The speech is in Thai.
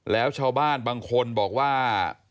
แล้วชาวบ้านบางคนบอกว่า